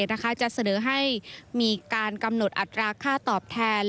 น้ำไทยจัดเสนอให้มีการกำหนดอัตราค่าตอบแทน